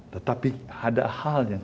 tetapi ada hal yang